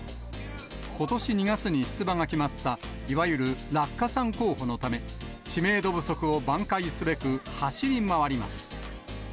ことし２月に出馬が決まった、いわゆる落下傘候補のため、知名度不足を挽回すべく走り回ります。